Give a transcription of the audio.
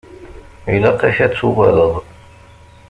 Ilaq-ak ad tuɣaleḍ.